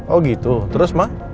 oh gitu terus mah